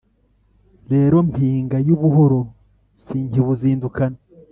Rero Mpinga y'ubuhoro sinkiwuzindukana